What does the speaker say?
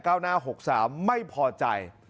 หน้า๖๓ไม่พอใจ